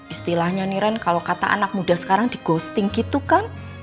istilahnya nih ren kalau kata anak muda sekarang di ghosting gitu kan